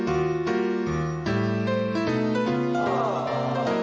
โอ้โฮ